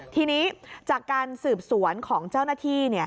ทีนี้จากการสืบสวนของเจ้าหน้าที่